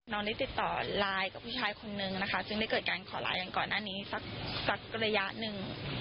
น้องได้ติดต่อไลน์กับผู้ชายคนนึงนะคะซึ่งได้เกิดการขอไลน์กันก่อนหน้านี้สักระยะหนึ่ง